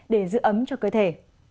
để giữ ấm cho cơ thể